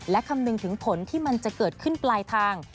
และคำนึงถึงผลที่มันจะเกิดขึ้นปลายทาง